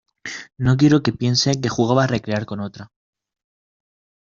no quiero que piense que jugaba a recrear con otra